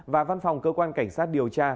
và văn phòng cơ quan cảnh sát điều tra